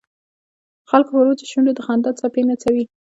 د خلکو پر وچو شونډو د خندا څپې نڅوي.